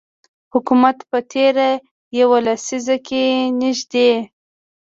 حکومت په تیره یوه لسیزه کې نږدې